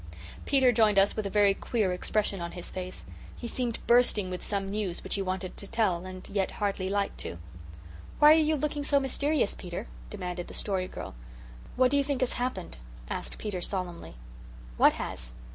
Peter joined us with a very queer expression on his face. He seemed bursting with some news which he wanted to tell and yet hardly liked to. "Why are you looking so mysterious, Peter?" demanded the Story Girl. "What do you think has happened?" asked Peter solemnly. "What has?"